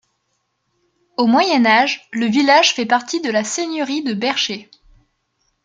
Au Moyen Âge, le village fait partie de la seigneurie de Bercher.